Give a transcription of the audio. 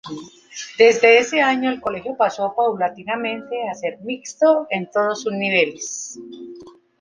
Desde ese año el colegio pasó paulatinamente a ser mixto en todos sus niveles.